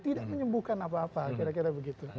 tidak menyembuhkan apa apa kira kira begitu